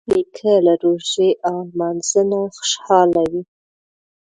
نیکه له روژې او لمانځه نه خوشحاله وي.